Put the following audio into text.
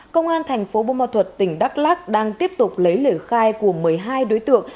công an thành phố bô ma thuật tỉnh đắk lắc đang tiếp tục lấy lời khai của một mươi hai đối tượng